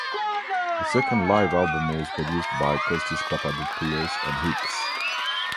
The second live album was produced by Costis Papadopoulos and Hicks.